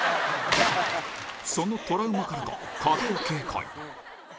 そのトラウマからか壁を警戒